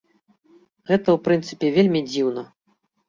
Гэта ў прынцыпе вельмі дзіўна.